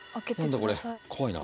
何だこれ怖いな。